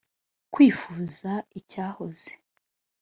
kwifuza icyahoze.